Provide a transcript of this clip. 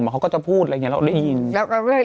เขาก็จะพูดอะไรอย่างนี้เราได้ยิน